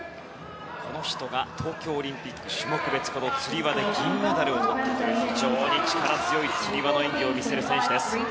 この人が東京オリンピック種目別つり輪で銀メダルをとったという非常に力強いつり輪を見せる選手です。